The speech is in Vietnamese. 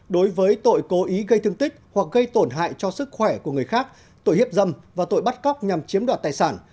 đối với tội cố ý gây thương tích hoặc gây tổn hại cho sức khỏe của người khác tội hiếp dâm và tội bắt cóc nhằm chiếm đoạt tài sản